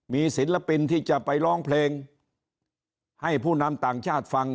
มีศิลปินที่จะไปร้องเพลงให้ผู้นำต่างชาติฟัง